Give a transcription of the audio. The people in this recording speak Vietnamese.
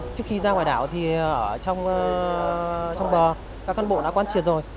mục tiêu trước khi ra ngoài đảo thì ở trong bờ các cán bộ đã quán triệt rồi